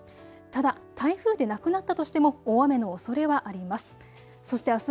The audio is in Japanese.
ただ台風でなくなったとしても大雨のおそれはあります。